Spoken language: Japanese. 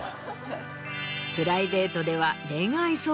プライベートでは。